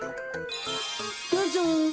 どうぞ。